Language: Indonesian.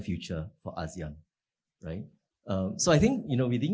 masa depan yang lebih baik untuk asean